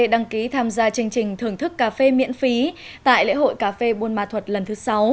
đăng ký tham gia chương trình thưởng thức cà phê miễn phí tại lễ hội cà phê buôn ma thuật lần thứ sáu